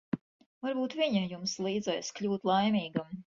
Varbūt viņa jums līdzēs kļūt laimīgam.